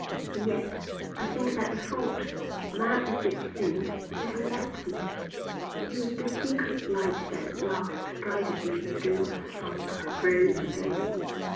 And yet I think that the thought, mad as it seemed, never left me; it was the secret light that at last guided me through a somber grove of enigmas.